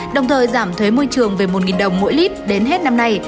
đồng thời giảm thuế môi trường về một đồng mỗi lít đến hết năm nay